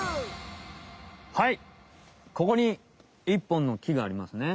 はいここに１ぽんの木がありますね。